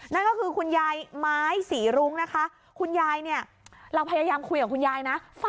นั่นก็คือคุณยายไม้ศรีรุ้งนะคะคุณยายเนี่ยเราพยายามคุยกับคุณยายนะ